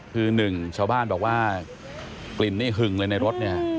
คือหนึ่งชาวบ้านบอกว่ากลิ่นนี่หึงเลยในรถเนี่ย